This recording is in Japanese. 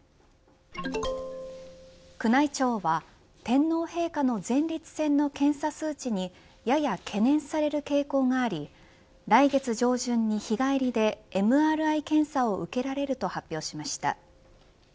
宮内庁は天皇陛下の前立腺の検査数値にやや懸念される傾向があり来月上旬に日帰りでＭＲＩ検査を受けられると発表しました。